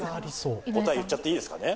答え言っちゃっていいですかね。